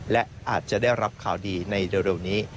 และอาจจะได้รับข่าวดีในเร็วนี้